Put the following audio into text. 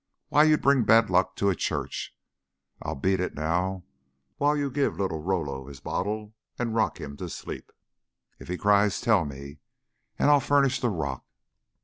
Why, you'd bring bad luck to a church! I'll beat it now while you give little Rollo his bottle and rock him to sleep. If he cries, tell me and and I'll furnish the rock."